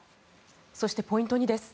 そしてポイント２です。